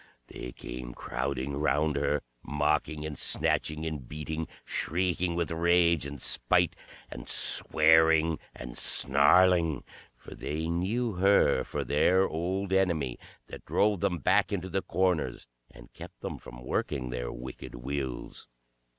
They came crowding round her, mocking and snatching and beating; shrieking with rage and spite, and swearing and snarling, for they knew her for their old enemy, that drove them back into the corners, and kept them from working their wicked wills.